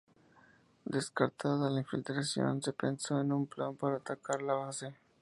Descartada la infiltración, se pensó en un plan para atacar la base.